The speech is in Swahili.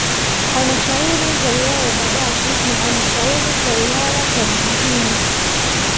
Halmashauri ya wilaya ya Babati na halmashauri ya wilaya ya vijijini